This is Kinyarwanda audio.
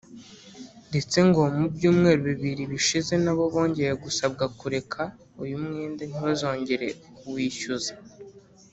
ndetse ngo mu byumweru bibiri bishize nabo bongeye gusabwa kureka uyu mwenda ntibazongere kuwishyuza